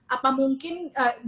itu tuh itu tuh